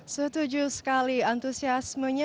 setuju sekali antusiasmenya